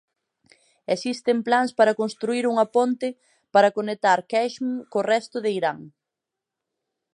Existen plans para construír unha ponte para conectar Qeshm co resto de Irán.